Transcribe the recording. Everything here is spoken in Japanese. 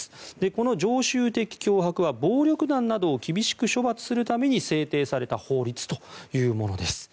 この常習的脅迫は暴力団などを厳しく処罰するために制定された法律というものです。